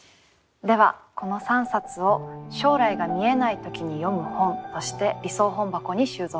ではこの３冊を「将来が見えないときに読む本」として理想本箱に収蔵します。